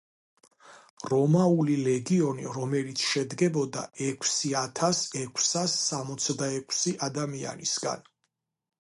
რომაული ლეგიონი, რომელიც შედგებოდა ექვსი ათას ექვსას სამოცდაექვსი ადამიანისგან.